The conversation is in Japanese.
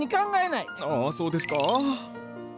あそうですか？